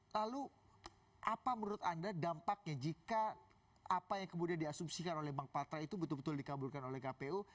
lalu apa menurut anda dampaknya jika apa yang kemudian diasumsikan oleh bang patra itu betul betul dikabulkan oleh kpu